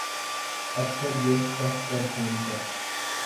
افسر یہ کہہ کر فون پر